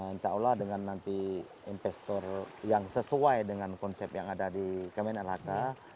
insya allah dengan nanti investor yang sesuai dengan konsep yang ada di kemen lhk